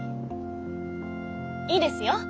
いいですよ。